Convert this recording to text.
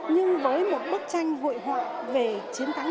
nhưng với một bức tranh hội họa về chiến thắng